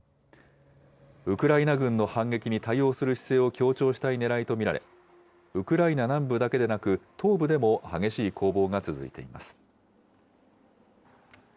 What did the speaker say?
ウクライナ軍の反撃に対応する姿勢を強調したいねらいと見られ、ウクライナ南部だけでなく、東部でも激しい攻防が続いています。